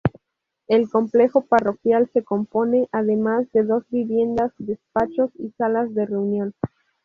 El complejo parroquial se compone además de dos viviendas, despachos y salas de reunión.